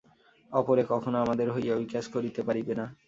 অপরে কখনও আমাদের হইয়া ঐ কাজ করিতে পারিবে না।